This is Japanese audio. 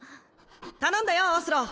頼んだよオスロー。